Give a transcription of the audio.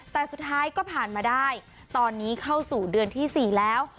แต่สุดท้ายก็ผ่านมาได้ตอนนี้เข้าสู่เดือนที่๔แล้ว